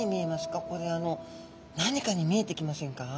これ何かに見えてきませんか？